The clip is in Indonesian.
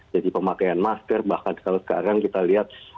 jadi pemakaian masker bahkan kalau sekarang kita lihat